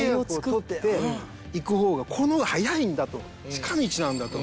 近道なんだと。